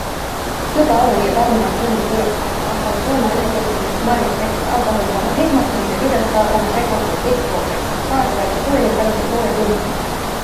Juta Arujõe Pärnumaalt Lindi külast pakkus rahvale kuuma üheteistkümnest marjast tehtud alkoholivaba hõõgmahla, mida pidas ka oma seekordseks hitt-tooteks, sest kaasa võetud pudelid kadusid poole tunniga.